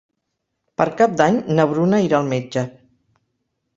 Per Cap d'Any na Bruna irà al metge.